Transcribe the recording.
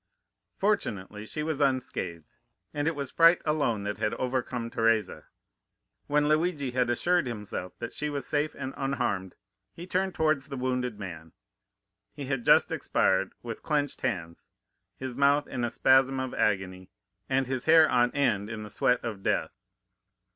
"Fortunately, she was unscathed, and it was fright alone that had overcome Teresa. When Luigi had assured himself that she was safe and unharmed, he turned towards the wounded man. He had just expired, with clenched hands, his mouth in a spasm of agony, and his hair on end in the sweat of death.